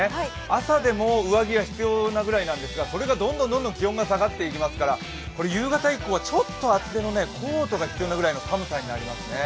朝でも上着が必要なくらいなんですがどんどん気温が下がっていきますから夕方以降はちょっと厚手のコートが必要なぐらいの寒さになりますね。